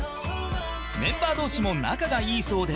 メンバー同士も仲がいいそうで